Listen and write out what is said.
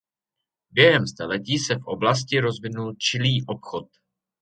Během staletí se v oblasti rozvinul čilý obchod.